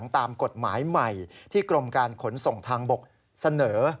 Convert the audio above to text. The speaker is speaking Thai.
ตามกฎหมายใหม่ที่กรมการขนส่งทางบกเสนอ